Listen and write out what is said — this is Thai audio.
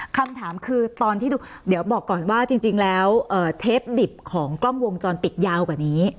คำถามคือตอนที่ดูเดี๋ยวบอกก่อนว่าจริงแล้วเทปดิบของกล้องวงจรปิดยาวกว่านี้